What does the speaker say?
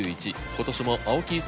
今年も青木功